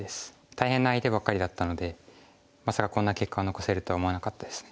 大変な相手ばっかりだったのでまさかこんな結果を残せるとは思わなかったですね。